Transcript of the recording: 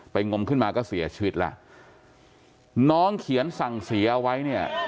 งมขึ้นมาก็เสียชีวิตล่ะน้องเขียนสั่งเสียเอาไว้เนี่ย